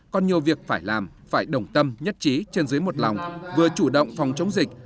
còn nhiều việc phải làm phải đồng tâm nhất trí trên dưới một lòng vừa chủ động phòng chống dịch